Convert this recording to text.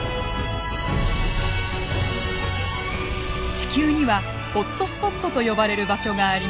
地球にはホットスポットと呼ばれる場所があります。